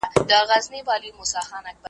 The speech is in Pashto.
قوي حکومت نظم ساتي.